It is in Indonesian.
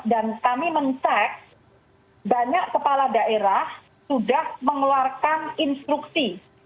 dan kami mencegah banyak kepala daerah sudah mengeluarkan instruksi